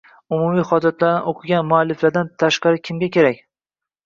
Umumiy hojatxonani o'qigan mualliflardan tashqari kimga kerak